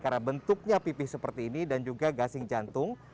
karena bentuknya pipih seperti ini dan juga gasing jantung